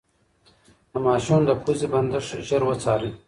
د ماشوم د پوزې بندښت ژر وڅارئ.